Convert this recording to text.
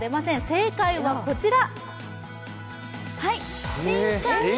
正解はこちら。